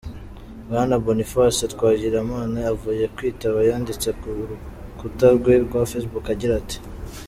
Bwana Boniface Twagilimana avuye kwitaba yanditse ku rukuta rwe rwa facebook agira ati: